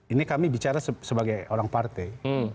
ini kami bicara sebagai orang partai